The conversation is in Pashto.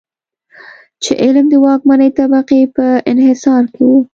چې علم د واکمنې طبقې په انحصار کې و.